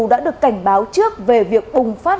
đã được cảnh báo trước về việc bùng phát